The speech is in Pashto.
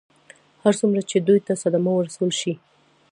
هر څومره چې دوی ته صدمه ورسول شي.